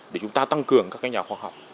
để chúng ta tăng cường các nhà khoa học